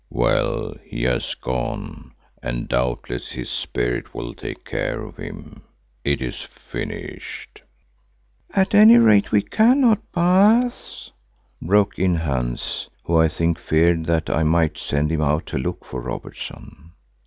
"Well, he has gone and doubtless his Spirit will take care of him. It is finished." "At any rate we cannot, Baas," broke in Hans, who I think feared that I might send him out to look for Robertson.